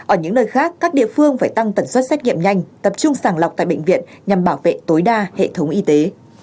ở những nơi khác các địa phương phải tăng tần suất xét nghiệm nhanh tập trung sàng lọc tại bệnh viện nhằm bảo vệ tối đa hệ thống y tế